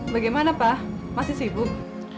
bagaimana pa masih sibuk